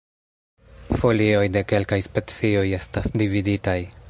Folioj de kelkaj specioj estas dividitaj.